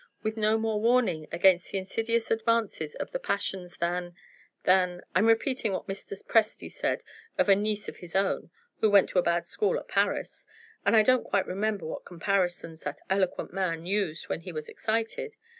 with no more warning against the insidious advances of the passions than than I'm repeating what Mr. Presty said of a niece of his own, who went to a bad school at Paris; and I don't quite remember what comparisons that eloquent man used when he was excited.